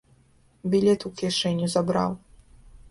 Білет у кішэню забраў.